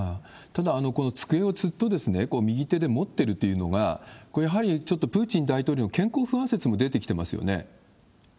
ただ、この机をずっと右手で持ってるというのが、これ、やはりちょっとプーチン大統領、健康不安説も出てきてますよね。